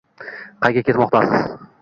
Qayga ketmoqdasiz?